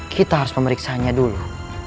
kita harus memeriksaannya dulu